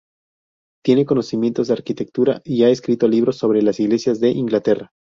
Tiene conocimientos de arquitectura y ha escrito libros sobre las iglesias de Inglaterra.